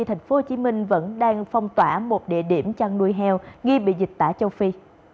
tp hcm vẫn đang phong tỏa một địa điểm chăn nuôi heo nghi bị dịch tả châu phi